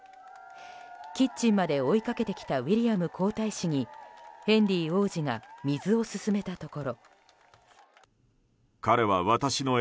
キッチンまで追いかけてきたウィリアム皇太子にヘンリー王子が水を勧めたところ。